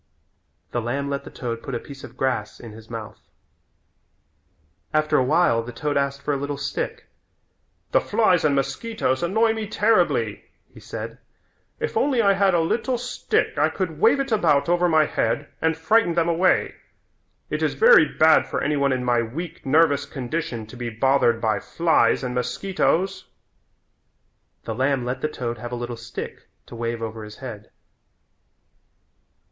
The lamb let the toad put a piece of grass in his mouth. After a while the toad asked for a little stick. "The flies and mosquitoes annoy me terribly," he said. "If only I had a little stick I could wave it about over my head and frighten them away. It is very bad for any one in my weak, nervous condition to be bothered by flies and mosquitoes." The lamb let the toad have a little stick to wave over his head.